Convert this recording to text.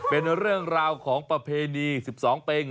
เป็นเรื่องราวของประเพณี๑๒เป็ง